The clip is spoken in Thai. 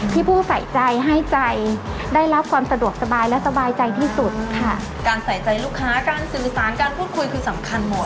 ผู้ใส่ใจให้ใจได้รับความสะดวกสบายและสบายใจที่สุดค่ะการใส่ใจลูกค้าการสื่อสารการพูดคุยคือสำคัญหมด